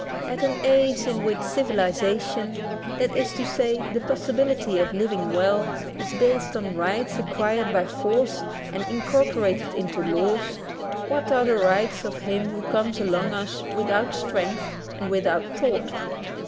At an age in which civilization — that is to say the possibility of living well — is based on rights acquired by force and incorporated into laws, what are the rights of him who comes among us without strength and without thought?